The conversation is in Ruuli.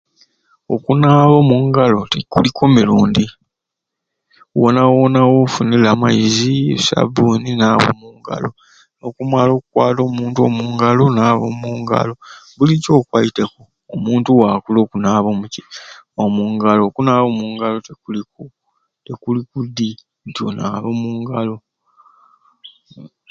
Ntini ni, enkola ya byanyegesya nti oku okubanga waliwo abaana abato n'abantu abakulu ababyanyegesya basobweire okufuna eki ekitundu kyabo bebakwenderye okwegesya nga berondeireku okugeza nti nkwendya kusomesya baana bato noyaba omubato neguba nti musomo oba ebyanyegesya bya bakulu nti okusobola okwiikiira abakulu nibabaawo omukitundu ekyo